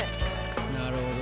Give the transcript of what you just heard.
なるほどね。